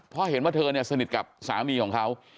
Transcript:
เพราะเห็นว่าเธอเนี่ยสนิทกับสามีของเขา